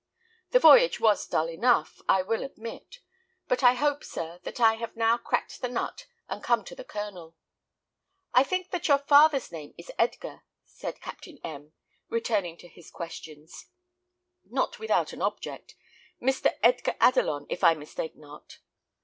The voyage was dull enough, I will admit; but I hope, sir, that I have now cracked the nut and come to the kernel." "I think that your father's name is Edgar," said Captain M , returning to his questions, not without an object: "Mr. Edgar Adelon, if I mistake not?"